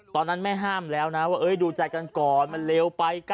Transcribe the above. ตอนนั้นแม่ห้ามแล้วนะว่าดูใจกันก่อนมันเร็วไป